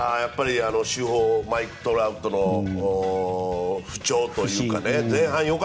主砲マイク・トラウトの不調というか。